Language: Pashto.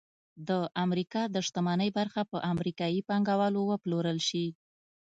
د امریکا د شتمنۍ برخه په امریکايي پانګوالو وپلورل شي